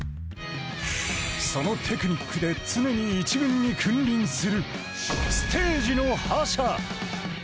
そのテクニックで常に１軍に君臨する、ステージの覇者。